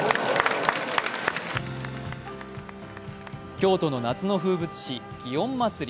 京都の夏の風物詩、祇園祭。